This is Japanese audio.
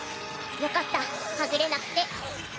よかったはぐれなくて。